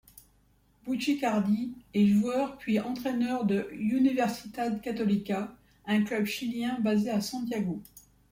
Buccicardi est joueur puis entraîneur de Universidad Católica, un club chilien basé à Santiago.